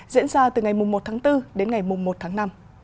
diễn ra từ ngày một tháng bốn đến ngày một tháng năm